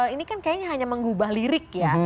ini kan kayaknya hanya mengubah lirik ya